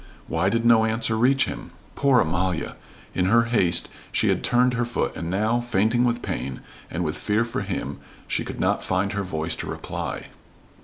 Why did no answer reach him? Poor Amalia! In her haste she had turned her foot and now, fainting with pain, and with fear for him, she could not find her voice to reply.